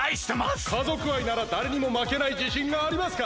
家族愛ならだれにもまけないじしんがありますか？